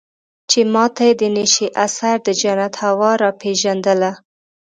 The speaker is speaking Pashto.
چې ما ته يې د نشې اثر د جنت هوا راپېژندله.